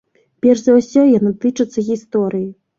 Перш за ўсё яны тычацца гісторыі.